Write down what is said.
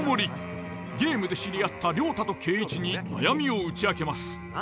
ゲームで知り合った亮太と恵一に悩みを打ち明けます。